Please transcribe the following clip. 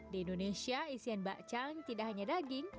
di indonesia isian bakcang tidak hanya daging